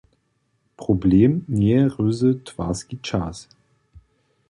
Problem njeje ryzy twarski čas.